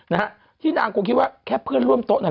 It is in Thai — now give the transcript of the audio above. นี่นี่นี่นี่นี่นี่นี่